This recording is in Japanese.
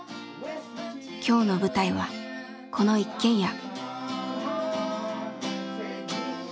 今日の舞台はこの一軒家。